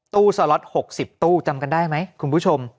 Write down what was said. สล็อต๖๐ตู้จำกันได้ไหมคุณผู้ชม